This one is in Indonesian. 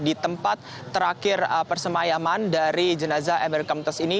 di tempat terakhir persemayaman dari jenazah amerika muntas ini